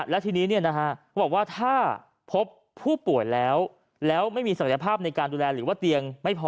และทีนี้เขาบอกว่าถ้าพบผู้ป่วยแล้วแล้วไม่มีศักยภาพในการดูแลหรือว่าเตียงไม่พอ